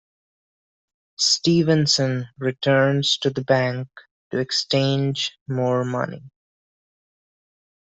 Stevenson returns to the bank to exchange more money.